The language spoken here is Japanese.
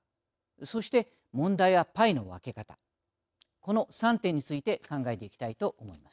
そして問題はパイの分け方この３点について考えていきたいと思います。